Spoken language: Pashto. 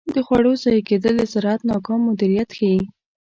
د خوړو ضایع کیدل د زراعت ناکام مدیریت ښيي.